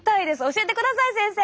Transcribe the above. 教えてください先生！